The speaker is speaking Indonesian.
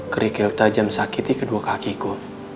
kerikil tajam sakiti kedua kakiku